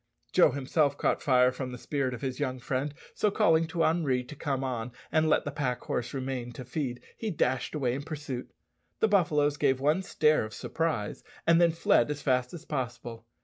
Joe himself caught fire from the spirit of his young friend, so calling to Henri to come on and let the pack horse remain to feed, he dashed away in pursuit. The buffaloes gave one stare of surprise, and then fled as fast as possible.